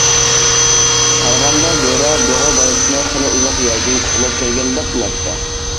قارىغاندا بۆرە بۇغا بالىسىنى خېلى ئۇزاق يەردىن قوغلاپ كەلگەندەك قىلاتتى.